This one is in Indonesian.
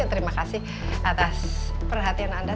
terima kasih atas perhatian anda